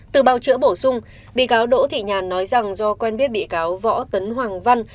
từ bào chữa bổ sung bị cáo đỗ thị nhàn nói rằng do quen biết bị cáo võ tấn hoàng văn